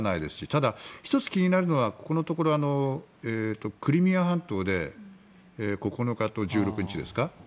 ただ１つ気になるのはこのところクリミア半島で９日と１６日ですか。